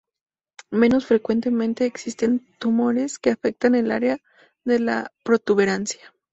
Menos frecuentemente existen tumores que afectan al área de la protuberancia.